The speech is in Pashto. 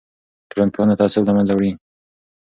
ټولنپوهنه تعصب له منځه وړي.